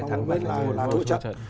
và một bên là thua chất